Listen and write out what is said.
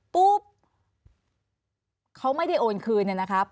ปุ๊บเขาไม่ได้โอนคืนเนี่ยนะครับ